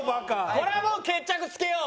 これはもう決着つけよう。